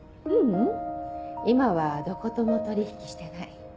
ううん今はどことも取引してない。